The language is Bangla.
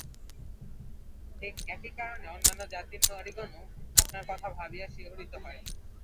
ঠিক একই কারণে অন্যান্য জাতির নারীগণও আপনাদের কথা ভাবিয়া শিহরিত হয়।